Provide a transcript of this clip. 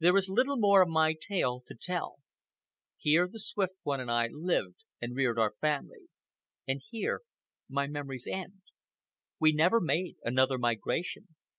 There is little more of my tale to tell. Here the Swift One and I lived and reared our family. And here my memories end. We never made another migration.